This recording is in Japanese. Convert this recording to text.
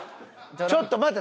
ちょっと待って。